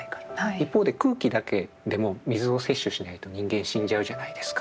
一方で空気だけでも水を摂取しないと人間死んじゃうじゃないですか。